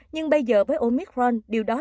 nhưng bây giờ với omicron điều đó